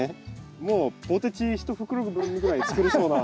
もうポテチ一袋分ぐらい作れそうな。